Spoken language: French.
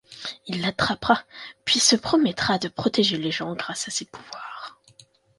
Il l'attrapera puis se promettra de protéger les gens grâce à ses pouvoirs.